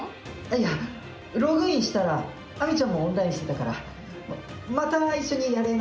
いやログインしたらアミちゃんもオンラインしてたからまた一緒にやれないかなと思って。